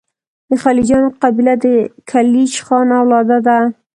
د خلجیانو قبیله د کلیج خان اولاد ده.